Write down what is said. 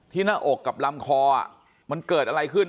หน้าอกกับลำคอมันเกิดอะไรขึ้น